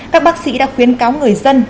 các bác sĩ đã khuyến cáo người dân